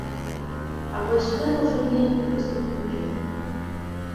А вось гэта ўжо неяк на прыступку ніжэй.